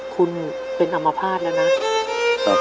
คุณเป็นอมภาษณ์แล้วนะ